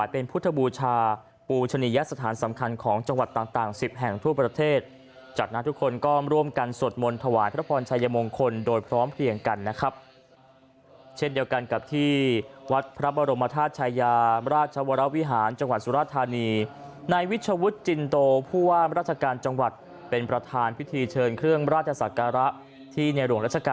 เป็นพุทธบูชาปูชนียสถานสำคัญของจังหวัดต่างสิบแห่งทั่วประเทศจากนั้นทุกคนก็ร่วมกันสวดมนต์ถวายพระพรชัยมงคลโดยพร้อมเพลียงกันนะครับเช่นเดียวกันกับที่วัดพระบรมธาตุชายาราชวรวิหารจังหวัดสุราธานีในวิชวุฒิจินโตผู้ว่ามราชการจังหวัดเป็นประธานพิธีเชิญเครื่องราชศักระที่